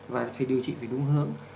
và phải điều trị đúng hướng